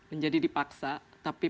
menjadi dipaksa tapi